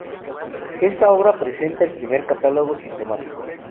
Esta obra presenta el primer catálogo sistemático.